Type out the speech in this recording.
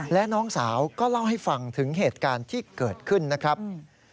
และน้องสาวก็เล่าให้ฟังถึงเหตุการณ์ที่เกิดขึ้นนะครับ